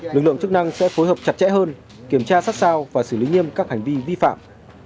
lực lượng chức năng sẽ phối hợp chặt chẽ hơn kiểm tra sát sao và xử lý nghiêm các hành vi vi phạm